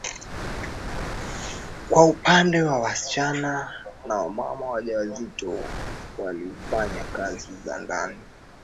kwa upande wa wasichana na mama wajawazito waliufanya kazi za ndani